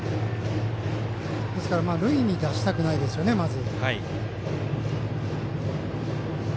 塁に出したくないですよね、まず。